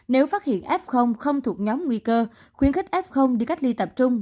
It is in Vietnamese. nếu phát hiện f không thuộc nhóm nguy cơ khuyến khích f đi cách ly tập trung